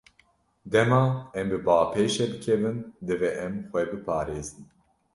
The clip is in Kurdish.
Dema em bi bapêşê bikevin, divê em xwe biparêzin.